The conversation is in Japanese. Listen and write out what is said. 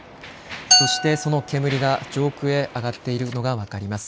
そして、その煙が上空へ上がっているのが分かります。